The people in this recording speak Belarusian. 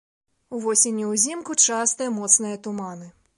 Увосень і ўзімку частыя моцныя туманы.